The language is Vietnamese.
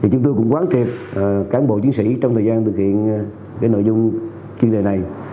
chúng tôi cũng quán triệt cán bộ chiến sĩ trong thời gian thực hiện nội dung chuyên đề này